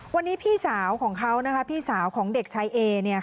วันนี้พี่สาวของเขาพี่สาวของเด็กชายเอเนี่ยค่ะ